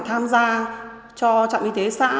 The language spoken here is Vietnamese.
tham gia cho trạm y tế xã